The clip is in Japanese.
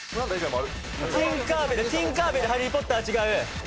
ティンカー・ベルハリー・ポッター違う。